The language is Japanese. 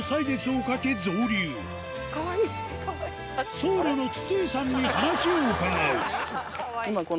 僧侶の筒井さんに話を伺おうはい。